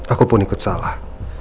aku pun ikut salah